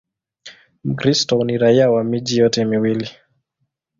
Mkristo ni raia wa miji yote miwili.